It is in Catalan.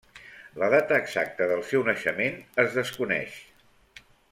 La data exacta del seu naixement es desconeix.